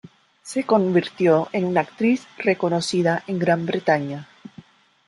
Se convirtió en una actriz reconocida en Gran Bretaña.